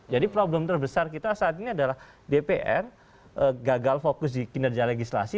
jadi problem terbesar kita saat ini adalah dpr gagal fokus di kinerja legislasi